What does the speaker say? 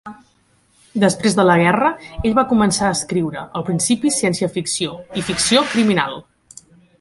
Després de la guerra, ell va començar a escriure, al principi ciència ficció i ficció criminal.